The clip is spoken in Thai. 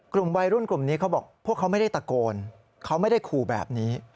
กลุ่มวัยรุ่นกลุ่มนี้เขาบอกพวกเขาไม่ได้ตะโกนเขาไม่ได้ขู่แบบนี้